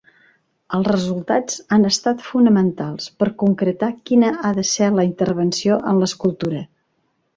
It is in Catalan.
Els resultats han estat fonamentals per concretar quina ha de ser la intervenció en l'escultura.